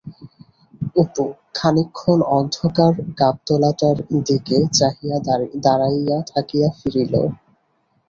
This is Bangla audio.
অপু খানিকক্ষণ অন্ধকার গাবতলাটার দিকে চাহিয়া দাঁড়াইয়া থাকিয়া ফিরিল।